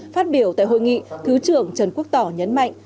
phát biểu tại hội nghị thứ trưởng trần quốc tỏ nhấn mạnh